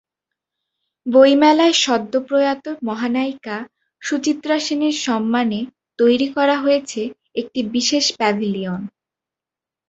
বইমেলায় সদ্যপ্রয়াত মহানায়িকা সুচিত্রা সেনের সম্মানে তৈরি করা হয়েছে একটি বিশেষ প্যাভিলিয়ন।